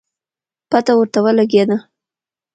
پته ورته ولګېده